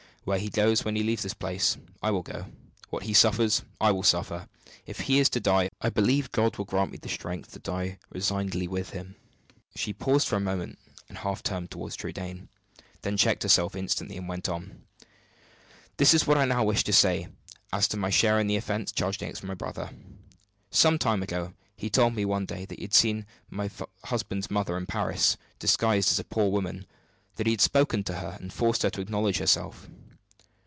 Where he goes when he leaves this place, I will go; what he suffers, I will suffer; if he is to die, I believe God will grant me the strength to die resignedly with him!" She paused for a moment, and half turned toward Trudaine then checked herself instantly and went on: "This is what I now wish to say, as to my share in the offense charged against my brother. Some time ago, he told me one day that he had seen my husband's mother in Paris, disguised as a poor woman; that he had spoken to her, and forced her to acknowledge herself.